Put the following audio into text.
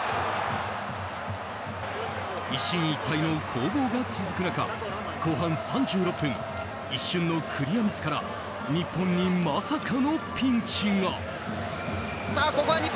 一進一退の攻防が続く中後半３６分一瞬のクリアミスから日本にまさかのピンチが。